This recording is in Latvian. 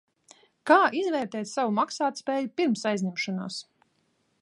Kā izvērtēt savu maksātspēju pirms aizņemšanās?